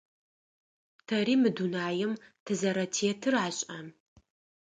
Тэри мы дунаим тызэрэтетыр ашӏа?